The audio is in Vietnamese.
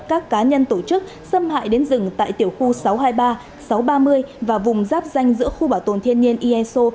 các cá nhân tổ chức xâm hại đến rừng tại tiểu khu sáu trăm hai mươi ba sáu trăm ba mươi và vùng giáp danh giữa khu bảo tồn thiên nhiên eso